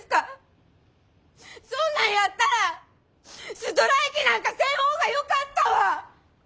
そんなんやったらストライキなんかせん方がよかったわ！